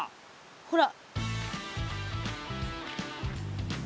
ほら！